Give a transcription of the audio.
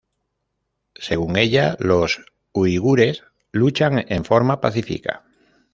Según ella, los uigures luchan en forma pacífica.